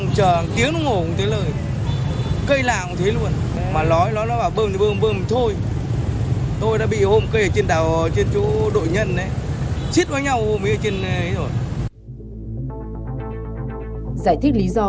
giải thích lý do về bơm xăng số hai